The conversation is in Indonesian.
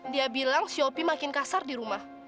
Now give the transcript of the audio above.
dia bilang si opi makin kasar di rumah